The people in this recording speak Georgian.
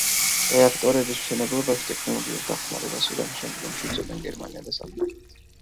რეაქტორების მშენებლობაში ტექნოლოგიურ დახმარებას ირანს შემდგომში უწევდნენ გერმანია და საფრანგეთი.